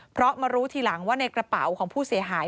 เพราะมารู้ทีหลังว่าในกระเป๋าของผู้เสียหาย